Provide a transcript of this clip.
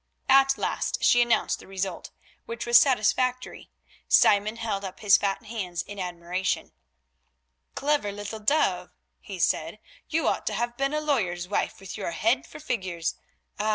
At last she announced the result, which was satisfactory. Simon held up his fat hands in admiration. "Clever little dove," he said, "you ought to have been a lawyer's wife with your head for figures. Ah!